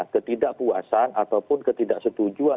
ketidakpuasan atau pun ketidaksetujuan